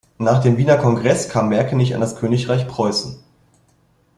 Nach dem Wiener Kongress kam Merkenich an das Königreich Preußen.